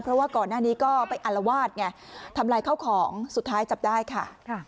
เพราะว่าก่อนหน้านี้ก็ไปอัลวาดไงทำลายข้าวของสุดท้ายจับได้ค่ะ